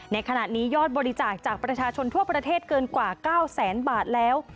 ในขณะนี้ยอดบริจาคจากประชาชนทั่วประเทศเกินกว่า๙แสนบาทแล้ว